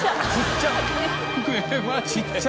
ちっちゃ。